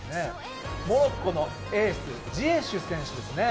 モロッコのエースジエシュ選手ですね。